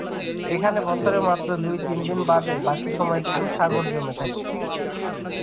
এখানে বছরে মাত্র দুই-তিন মাস বাদে বাকী সময়টুকু সাগর জমে থাকে।